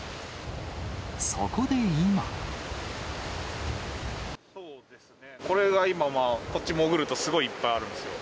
これが今、こっち潜るとすごいいっぱいあるんですよ。